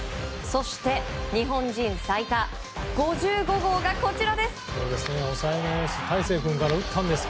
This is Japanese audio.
そして日本人最多５５号がこちらです。